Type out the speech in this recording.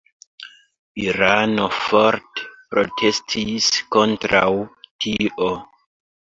Irano forte protestis kontraŭ tio.